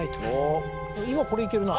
今これいけるな。